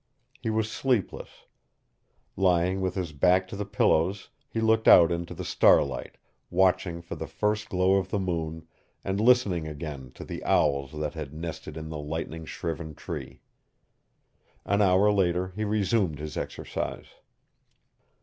He was sleepless. Lying with his back to the pillows he looked out into the starlight, watching for the first glow of the moon and listening again to the owls that had nested in the lightning shriven tree. An hour later he resumed his exercise.